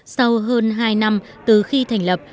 sau hơn hai năm từ khi thành lập